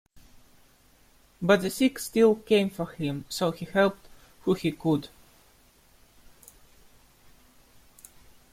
But the sick still came for him so he helped who he could.